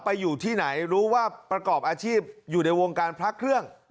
อยู่ที่ไหนรู้ว่าประกอบอาชีพอยู่ในวงการพระเครื่อง